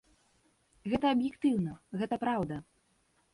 Гэта аб'ектыўна, гэта праўда!